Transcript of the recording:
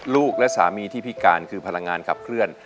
ลูกและสามีที่พิการคือพลังงานขับเคลื่อน